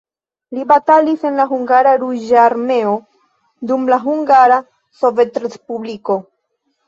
Li batalis en la hungara Ruĝa Armeo dum la Hungara sovetrespubliko.